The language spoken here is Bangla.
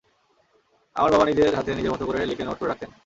আমার বাবা নিজের হাতে নিজের মতো করে লিখে নোট করে রাখতেন।